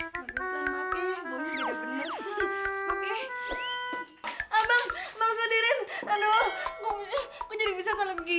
bener sih banyak burjiti kesini bang